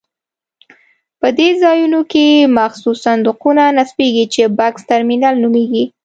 په دې ځایونو کې مخصوص صندوقونه نصبېږي چې بکس ترمینل نومېږي.